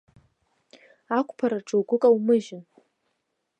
Ақәԥараҿы угәы каумыжьын.